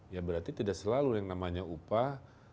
ya berarti tidak selalu yang namanya upah